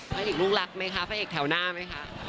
เป็นอีกลูกรักไหมคะพระเอกแถวหน้าไหมคะ